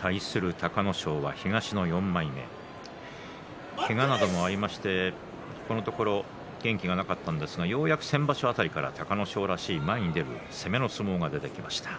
対する隆の勝東の４枚目けがなどもありましてこのところ元気がなかったんですがようやく先場所辺りから隆の勝らしく前に出る相撲が出てきました。